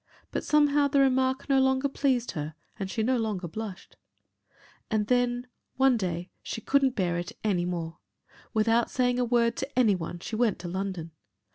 But somehow the remark no longer pleased her and she no longer blushed. And then, one day she couldn't bear it any more. Without saying a word to any one she went to London.